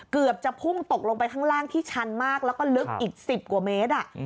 เกือบจะพุ่งตกลงไปข้างล่างที่ชันมากแล้วก็ลึกอีก๑๐กว่าเมตร